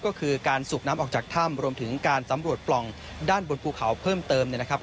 ก็คือการสูบน้ำออกจากถ้ำรวมถึงการสำรวจปล่องด้านบนภูเขาเพิ่มเติมเนี่ยนะครับ